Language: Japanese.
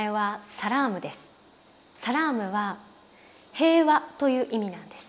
サラームは平和という意味なんです。